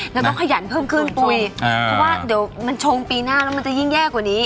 แล้วก็ขยันเพิ่มขึ้นปุ๋ยเพราะว่าเดี๋ยวมันชงปีหน้าแล้วมันจะยิ่งแย่กว่านี้